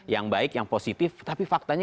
yang baik yang positif tapi faktanya